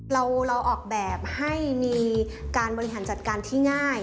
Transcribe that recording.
เราออกแบบให้มีการบริหารจัดการที่ง่าย